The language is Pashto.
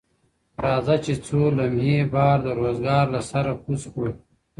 راځه چې څو لمحې بار د روزګار لۀ سره کوز کړو